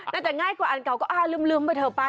แต่ง่ายกว่าอันเก่าก็อ้าวลืมไปเถอะป้า